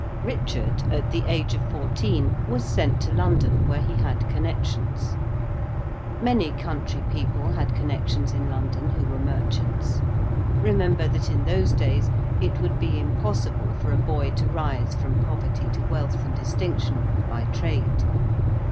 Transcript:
Richard, at the age of fourteen, was sent to London, where he had connections. Many country people had connections in London who were merchants. Remember that in those days it would be impossible for a boy to rise from poverty to wealth and distinction by trade.